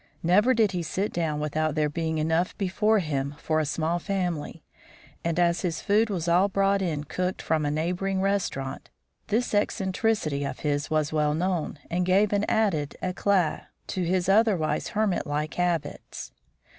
Never did he sit down without there being enough before him for a small family, and as his food was all brought in cooked from a neighboring restaurant, this eccentricity of his was well known, and gave an added éclat to his otherwise hermit like habits.